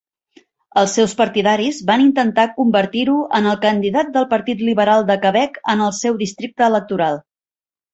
Els seus partidaris van intentar convertir-ho en el candidat del Partit Liberal de Quebec en el seu districte electoral.